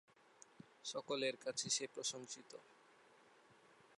সকলের কাছে সে প্রশংসিত।